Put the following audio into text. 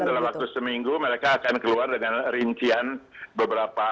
saya akan mengatakan dalam waktu seminggu mereka akan keluar dengan rincian beberapa